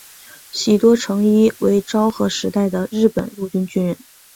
喜多诚一为昭和时代的日本陆军军人。